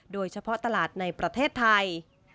โดยเฉพาะตลาดในประเทศไทย